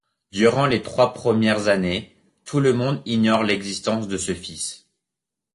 Durant les trois premières années, tout le monde ignore l'existence de ce fils.